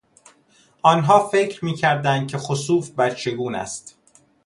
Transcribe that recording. آنها فکر میکردند که خسوف بدشگون است.